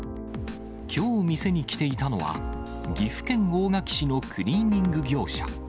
きょう店に来ていたのは、岐阜県大垣市のクリーニング業者。